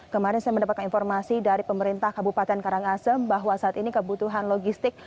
kemarin saya mendapatkan informasi dari pemerintah kabupaten karangasem bahwa saat ini kebutuhan logistik